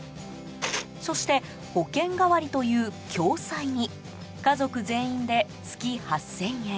そして保険代わりという共済に家族全員で月８０００円。